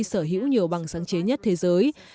sở hữu nhiều bằng sáng chế nhất thế giới